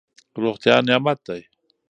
روغتیا نعمت دی.